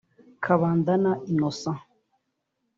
Kabandana Innocent